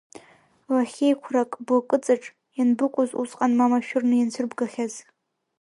Лахьеиқәрак блакыҵаҿ, ианбыкәыз усҟан ма машәырны ианцәырбгахьаз?